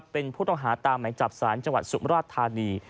เป็นผู้ต้องหาตามหมายจับสารจังหวัดสุมราชธานี